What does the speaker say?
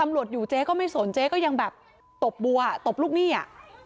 ตำรวจอยู่เจ๊ก็ไม่สนเจ๊ก็ยังแบบตบบัวตบลูกหนี้อ่ะ